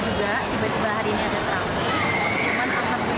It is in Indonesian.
semua bisa diselamatkan dengan baik